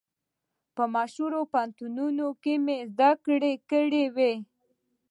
په مشهورو پوهنتونو کې مې زده کړې کړې وې.